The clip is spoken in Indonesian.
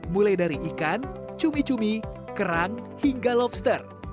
mulai dari ikan cumi cumi kerang hingga lobster